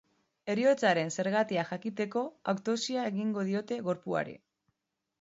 Heriotzaren zergatia jakiteko autopsia egingo diote gorpuari.